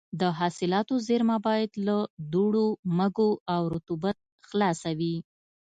د حاصلاتو زېرمه باید له دوړو، مږو او رطوبت خلاصه وي.